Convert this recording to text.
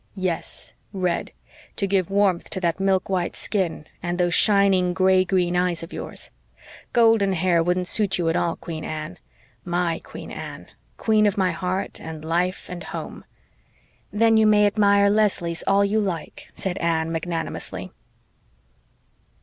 "Yes, red to give warmth to that milk white skin and those shining gray green eyes of yours. Golden hair wouldn't suit you at all Queen Anne MY Queen Anne queen of my heart and life and home." "Then you may admire Leslie's all you like," said Anne magnanimously.